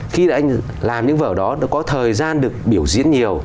khi anh làm những vở đó nó có thời gian được biểu diễn nhiều